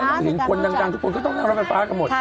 แล้วต้องเห็นคนดังทุกคนก็ต้องรับไฟฟ้ากันหมด